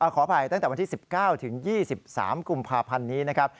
ขออภัยตั้งแต่วันที่๑๙ถึง๒๓กุมภาพันธ์นี้นะครับ